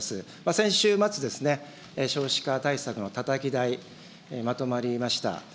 先週末ですね、少子化対策のたたき台、まとまりました。